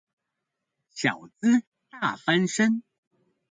小資大翻身